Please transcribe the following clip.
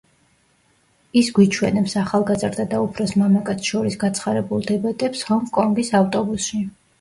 ის გვიჩვენებს ახალგაზრდა და უფროს მამაკაცს შორის გაცხარებულ დებატებს ჰონგ კონგის ავტობუსში.